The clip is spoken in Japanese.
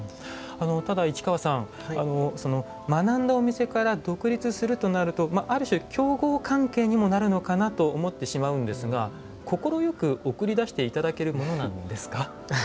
ただ市川さん学んだお店から独立するとなるとある種競合関係にもなるのかなと思ってしまうんですが快く送り出して頂けるものなんですか？